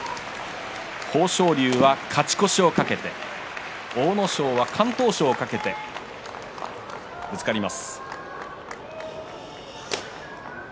豊昇龍は勝ち越しを懸けて阿武咲は敢闘賞を懸けてぶつかります。